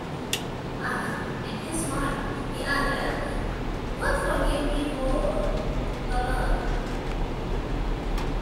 And in his mind he added: "God forgive me for the lie."